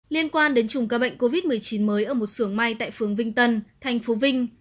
liên quan đến chùm ca bệnh covid một mươi chín mới ở một sưởng may tại phường vinh tân thành phố vinh